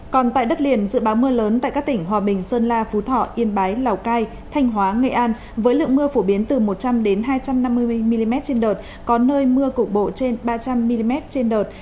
còn tại đất liền dự báo mưa lớn tại các tỉnh hòa bình sơn la phú thọ yên bái lào cai thanh hóa nghệ an với lượng mưa phổ biến từ một trăm linh hai trăm năm mươi mm trên đợt có nơi mưa cục bộ trên ba trăm linh mm trên đợt